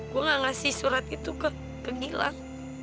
gue gak ngasih surat itu ke ke gilang